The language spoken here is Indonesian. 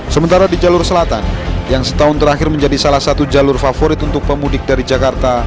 sementara di jalur selatan yang setahun terakhir menjadi salah satu jalur favorit untuk pemudik dari jakarta